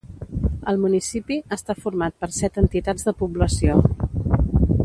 El municipi està format per set entitats de població.